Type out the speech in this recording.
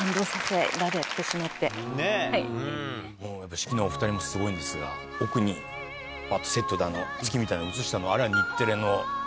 四季のお２人もすごいんですが奥にバッとセットで月みたいの映したのはあれは日テレの。